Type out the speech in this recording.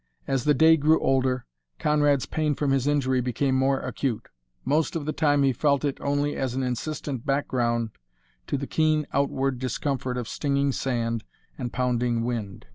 As the day grew older Conrad's pain from his injury became more acute. Most of the time he felt it only as an insistent background to the keen outward discomfort of stinging sand and pounding wind.